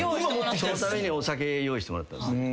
そのためにお酒用意してもらったんです。